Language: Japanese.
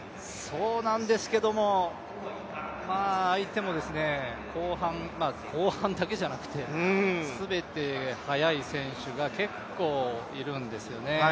そうなんですけども、相手も後半、後半だけじゃなくて全て速い選手が結構いるんですよね。